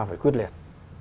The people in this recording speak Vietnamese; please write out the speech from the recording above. phải quyết liệt